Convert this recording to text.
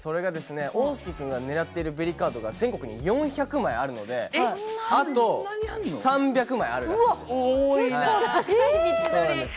桜涼君が狙っているベリカードが全国に４００枚あるのであと３００枚あるらしいです。